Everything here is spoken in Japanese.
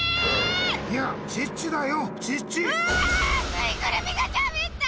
ぬいぐるみがしゃべった！